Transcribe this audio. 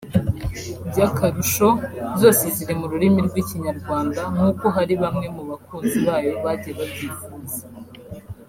by’akarusho zose ziri mu rurimi rw’ikinyarwanda nk’uko hari bamwe mu bakunzi bayo bagiye babyifuza